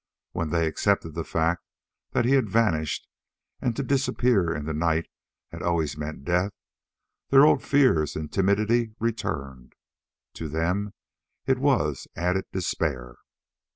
When they accepted the fact that he had vanished and to disappear in the night had always meant death their old fears and timidity returned. To them it was added despair.